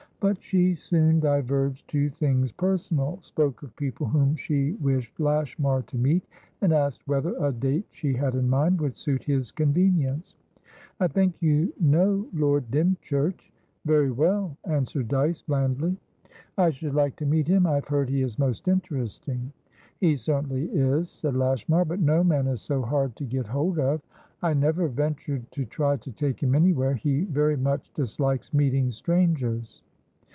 But she soon diverged to things personal, spoke of people whom she wished Lashmar to meet, and asked whether a date she had in mind would suit his convenience. "I think you know Lord Dymchurch?" "Very well," answered Dyce, blandly. "I should like to meet him. I have heard he is most interesting." "He certainly is," said Lashmar, "but no man is so hard to get hold of. I never ventured to try to take him anywhere; he very much dislikes meeting strangers."